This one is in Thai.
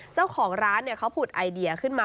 เจ้าของร้านเขาผุดไอเดียขึ้นมา